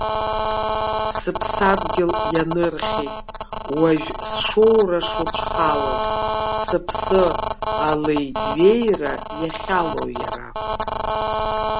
Сыԥсадгьыл ианырхьеит, уажә сшоура шуцәхалаз, сыԥсы алеиҩеира иахьалоу иара.